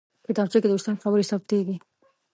کتابچه کې د استاد خبرې ثبتېږي